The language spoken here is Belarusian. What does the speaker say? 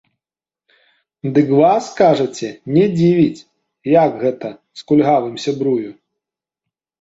Дык вас, кажаце, не дзівіць, як гэта з кульгавым сябрую?